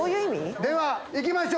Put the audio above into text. では、いきましょう。